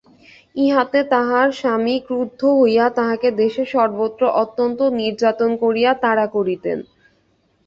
ইহাতে তাঁহার স্বামী ক্রুদ্ধ হইয়া তাঁহাকে দেশের সর্বত্র অত্যন্ত নির্যাতন করিয়া তাড়া করিতেন।